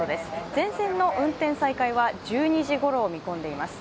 全線の運転再開は１２時ごろを見込んでいます。